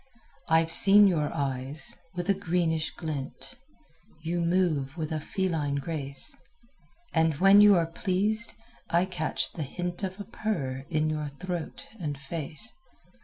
I've seen your eyes, with a greenish glint; You move with a feline grace; And when you are pleased I catch the hint Of a purr in your throat and face.